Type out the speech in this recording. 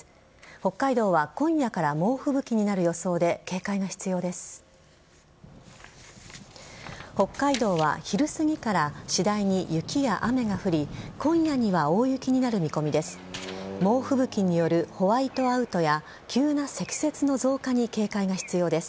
北海道は昼すぎから次第に雪や雨が降り今夜には大雪になる見込みです。